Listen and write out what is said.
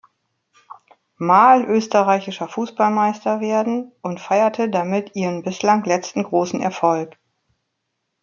Mal Österreichischer Fußballmeister werden und feierte damit ihren bislang letzten großen Erfolg.